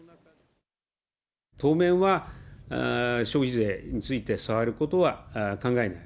当面は、消費税について触ることは考えない。